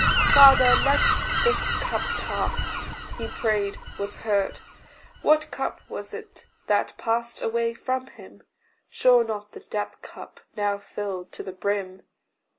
"Father, let this cup pass." He prayed was heard. What cup was it that passed away from him? Sure not the death cup, now filled to the brim!